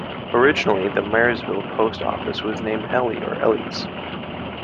Originally, the Marysville post office was named Ely or Ely's.